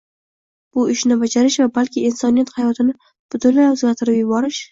Bu ishni bajarish va balki insoniyat hayotini butunlay o’zgartirib yuborish